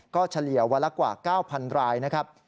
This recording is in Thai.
ก็เฉลี่ยวันละกว่า๙๐๐รายนะครับ